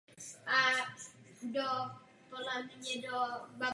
Šlo o teprve o druhý ročník mistrovského závodu.